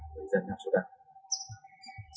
người dân nam sơn đăng